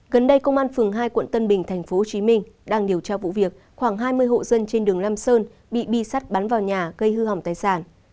gần đây công an phường hai quận tân bình tp hcm đang điều tra vụ việc khoảng hai mươi hộ dân trên đường lam sơn bị bi sắt bắn vào nhà gây hư hỏng tài sản